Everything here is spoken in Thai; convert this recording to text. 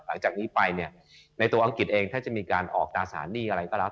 หลังจากนี้ไปเนี่ยในตัวอังกฤษเองถ้าจะมีการออกตราสารหนี้อะไรก็แล้ว